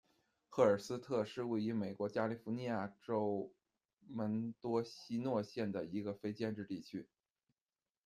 赫尔斯特是位于美国加利福尼亚州门多西诺县的一个非建制地区。